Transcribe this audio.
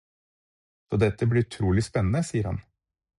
Så dette blir utrolig spennende, sier han.